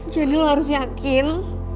jadi lo harus yakin